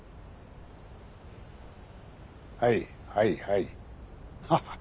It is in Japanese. はいはいはいハハ